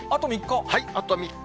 あと３日。